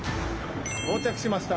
到着しました。